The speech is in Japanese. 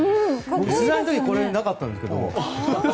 取材の時これ、なかったんですが。